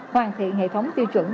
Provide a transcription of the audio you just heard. hoàn thiện hệ thống tiêu chuẩn